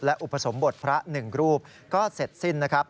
อุปสมบทพระ๑รูปก็เสร็จสิ้นนะครับ